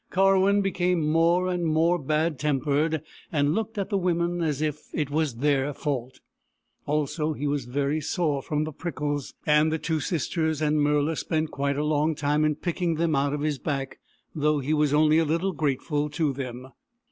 Karwin became more and more bad tempered, and looked at the women as if it was their fault. Also, he was very sore from the prickles, and the two sisters and Murla spent quite a long time in picking them out of his back, though he was only a little grateful to them.